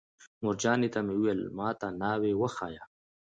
مورجانې ته مې ویل: ما ته ناوې وښایه.